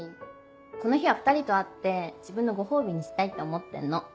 この日は２人と会って自分のご褒美にしたいって思ってんの。